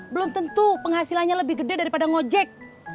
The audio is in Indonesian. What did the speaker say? belum tentu penghasilannya lebih gede daripada ngojek